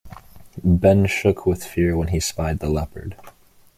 Ben shook with fear when he spied the leopard.